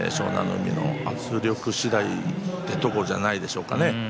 海の圧力次第というところじゃないでしょうか。